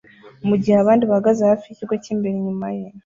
mugihe abandi bahagaze hafi yikigo cyimbere inyuma ye